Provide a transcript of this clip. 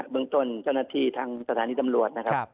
เมืองต้นเจ้าหน้าที่ทางสถานีตำรวจนะครับ